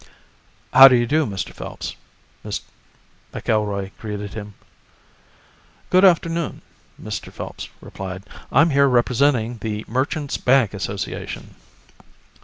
"How do you do, Mr. Phelps," McIlroy greeted him. "Good afternoon," Mr. Phelps replied. "I'm here representing the Merchants' Bank Association."